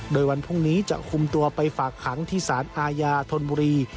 โดยวันพรุ่งนี้จะคุมตัวไปฝากขังที่สารอาญาธนบุรี